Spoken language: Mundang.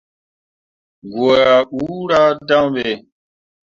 Goo ah ɓuura dan ɓe.